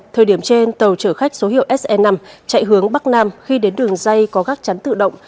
thời điểm trên tàu chở khách số hiệu sn năm chạy hướng bắc nam khi đến đường dây có gác chắn tự động